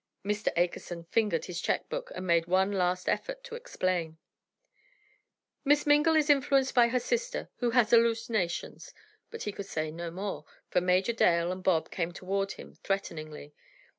Mr. Akerson fingered his check book, and made one last effort to explain: "Miss Mingle is influenced by her sister, who has hallucinations," but he could say no more, for Major Dale and Bob came toward him threateningly.